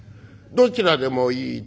どちらでもいい。